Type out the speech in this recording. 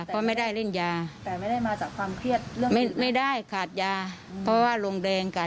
พอออกไปมันวูกขึ้นมาเลยไม่รู้ว่าง่ายแกวูกขึ้นมา